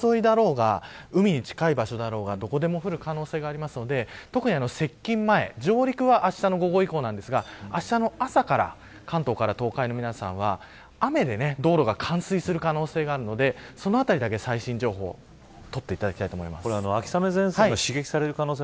湿った空気が入るとしたら山沿いだろうが、海に近いだろうがどこでも降る可能性が出ますので特に、接近前上陸は、あしたの午後以降ですがあしたの朝から関東や東海の皆さんは雨で道路が冠水する可能性があるのでそのあたりだけ、最新情報を取っていただきたいと思います。